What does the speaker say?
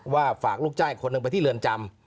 ว่าฝากลูกจ้ายคนหนึ่งไปที่เรือนจำ